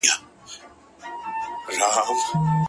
درد دی، غمونه دي، تقدير مي پر سجده پروت دی،